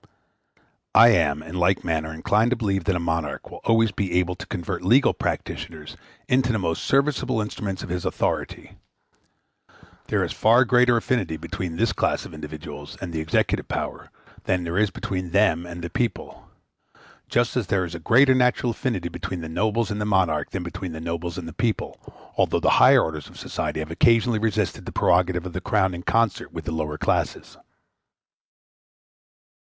I am, in like manner, inclined to believe that a monarch will always be able to convert legal practitioners into the most serviceable instruments of his authority. There is a far greater affinity between this class of individuals and the executive power than there is between them and the people; just as there is a greater natural affinity between the nobles and the monarch than between the nobles and the people, although the higher orders of society have occasionally resisted the prerogative of the Crown in concert with the lower classes.